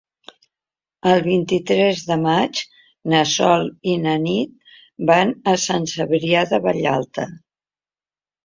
El vint-i-tres de maig na Sol i na Nit van a Sant Cebrià de Vallalta.